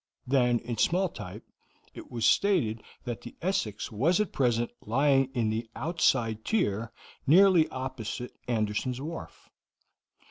Then, in small type, it was stated that the Essex was at present lying in the outside tier nearly opposite Anderson's wharf.